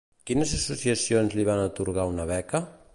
Quines associacions li van atorgar una beca?